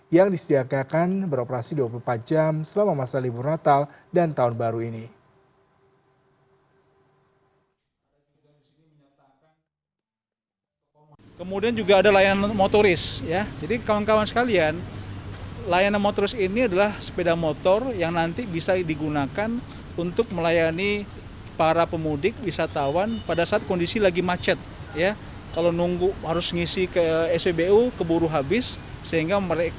yang disediakan beroperasi dua puluh empat jam selama masa libur natal dan tahun baru ini